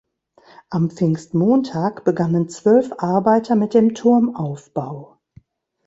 Am Pfingstmontag begannen zwölf Arbeiter mit dem Turmaufbau.